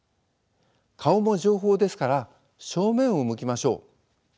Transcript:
顔も情報ですから正面を向きましょう。